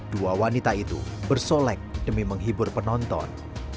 dua wanita itu bersolek demi menghibur penonton